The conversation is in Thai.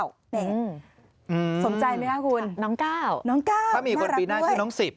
นี่สมใจไหมครับคุณน้องเก้าน่ารักด้วยถ้ามีคนปีหน้าชื่อน้อง๑๐